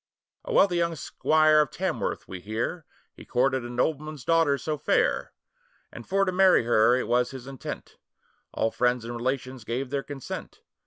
] A WEALTHY young squire of Tamworth, we hear, He courted a nobleman's daughter so fair; And for to marry her it was his intent, All friends and relations gave their consent.